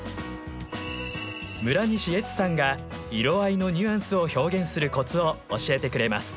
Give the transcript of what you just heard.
村西恵津さんが色合いのニュアンスを表現するコツを教えてくれます。